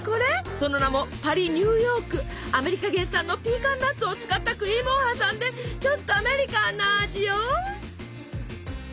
その名もアメリカ原産のピーカンナッツを使ったクリームを挟んでちょっとアメリカンな味よ。